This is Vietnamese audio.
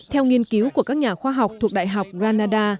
theo nghiên cứu của các nhà khoa học thuộc đại học ranada